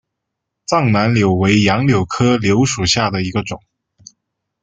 藏南柳为杨柳科柳属下的一个种。